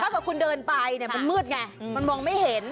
ถ้าเกิดคุณเดินไปเนี่ยมันมืดไงมันมองไม่เห็น